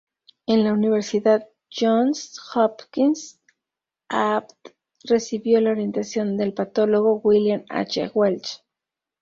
En la universidad Johns Hopkins, Abt recibió la orientación del patólogo William H. Welch.